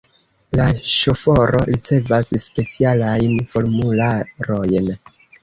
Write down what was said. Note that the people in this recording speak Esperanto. La ŝoforo ricevas specialajn formularojn.